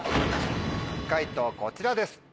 解答こちらです。